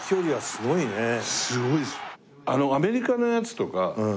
すごいです。